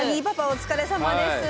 お疲れさまです。